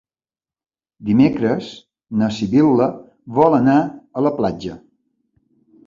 Dimecres na Sibil·la vol anar a la platja.